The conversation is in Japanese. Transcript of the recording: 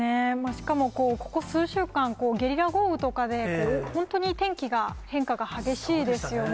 しかも、ここ数週間、ゲリラ豪雨とかで、本当に天気が、変化が激しいですよね。